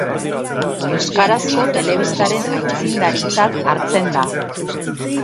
Euskarazko telebistaren aitzindaritzat hartzen da.